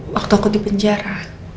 waktu aku di penjara